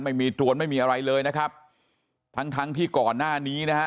ไม่มีตรวนไม่มีอะไรเลยนะครับทั้งทั้งที่ก่อนหน้านี้นะฮะ